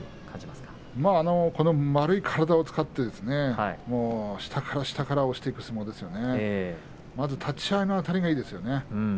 まあこの丸い体を使って下から下から押していく相撲ですね、まず立ち合いのあたりがいいですね。